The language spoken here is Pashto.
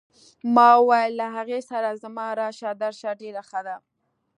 ما وویل له هغې سره زما راشه درشه ډېره ښه ده.